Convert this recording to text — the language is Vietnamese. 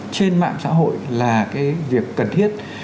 trên mạng xã hội là cái việc cần thiết